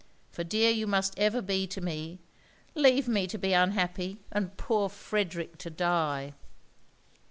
(for dear you must ever be to me) leave me to be unhappy and poor Frederic to die.'